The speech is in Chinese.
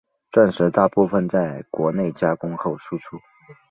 钻石大部份在国内加工后输出。